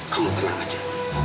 kamu tenang aja